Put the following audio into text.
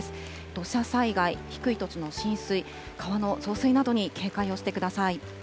土砂災害、低い土地の浸水、川の増水などに警戒をしてください。